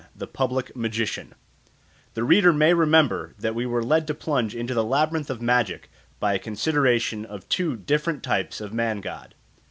The Public Magician THE READER may remember that we were led to plunge into the labyrinth of magic by a consideration of two different types of man god.